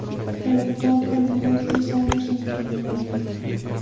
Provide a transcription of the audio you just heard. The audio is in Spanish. El autor demoró diez años en terminarla.